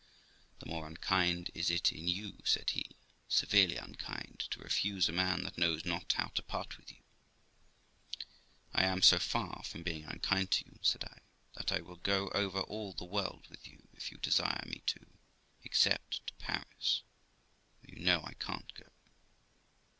'The more unkind is it in you', said he, 'severely unkind, to refuse a man that knows not how to part with you.' 'I am so far from being unkind to you', said I, 'that I will go over all the world with you, if you desire me to, except to Paris, where you know I can't go.'